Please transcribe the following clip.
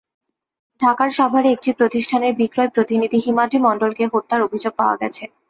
ঢাকার সাভারে একটি প্রতিষ্ঠানের বিক্রয় প্রতিনিধি হিমাদ্রী মণ্ডলকে হত্যার অভিযোগ পাওয়া গেছে।